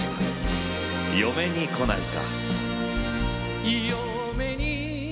「嫁に来ないか」。